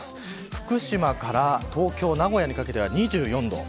福島から東京、名古屋にかけては２４度。